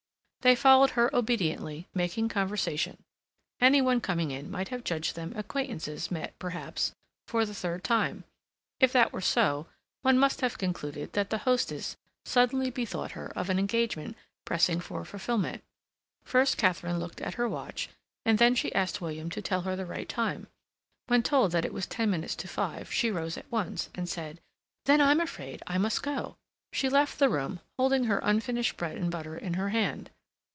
They followed her obediently, making conversation. Any one coming in might have judged them acquaintances met, perhaps, for the third time. If that were so, one must have concluded that the hostess suddenly bethought her of an engagement pressing for fulfilment. First Katharine looked at her watch, and then she asked William to tell her the right time. When told that it was ten minutes to five she rose at once, and said: "Then I'm afraid I must go." She left the room, holding her unfinished bread and butter in her hand.